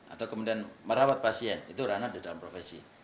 atau kemudian merawat pasien itu ranah di dalam profesi